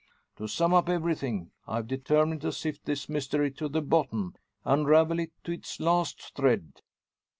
To sum up everything, I've determined to sift this mystery to the bottom unravel it to its last thread.